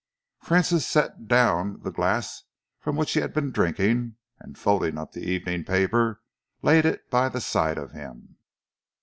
Francis set down the glass from which he had been drinking, and, folding up the evening paper, laid it by the side of him.